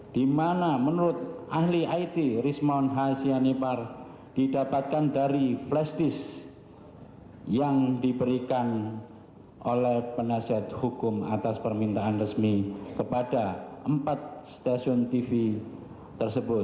di mana menurut ahli it rismond hasyanipar didapatkan dari flash disk yang diberikan oleh penasihat hukum atas permintaan resmi kepada empat stasiun tv tersebut